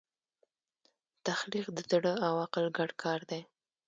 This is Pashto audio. تخلیق د زړه او عقل ګډ کار دی.